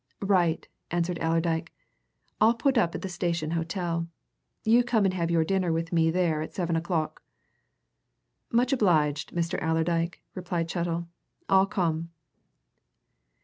"Right!" answered Allerdyke. "I'll put up at the Station Hotel. You come and have your dinner with me there at seven o'clock." "Much obliged, Mr. Allerdyke," replied Chettle. "I'll come."